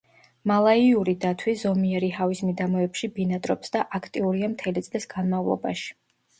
მალაიური დათვი ზომიერი ჰავის მიდამოებში ბინადრობს და აქტიურია მთელი წლის განმავლობაში.